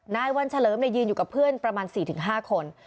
นายวันเฉลิมยืนอยู่กับเพื่อนประมาณ๔๕คน